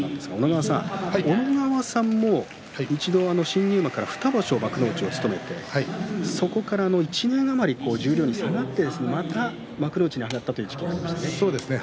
小野川さんも一度新入幕から２場所、幕内を務めてそこから１年余り十両に下がってまた幕内に上がったということがありましたね。